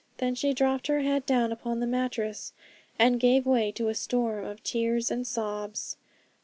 Then she dropped her head down upon the mattress, and gave way to a storm of tears and sobs.